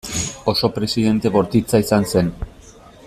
Oso presidente bortitza izan zen.